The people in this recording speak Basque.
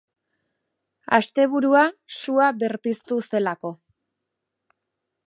Asteburua sua berpiztu zelako.